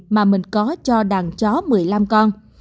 mà mình có cho đàn chó một mươi năm con